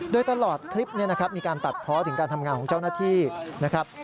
โดยตลอดคลิปนี้นะครับมีการตัดเพาะถึงการทำงานของเจ้าหน้าที่นะครับ